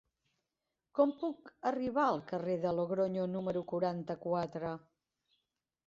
Com puc arribar al carrer de Logronyo número quaranta-quatre?